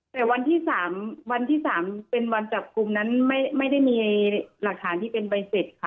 แต่วันที่๓วันที่๓เป็นวันจับกลุ่มนั้นไม่ได้มีหลักฐานที่เป็นใบเสร็จค่ะ